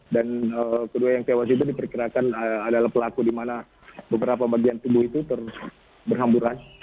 dan kedua yang tewas itu diperkirakan adalah pelaku di mana beberapa bagian tubuh itu berhamburan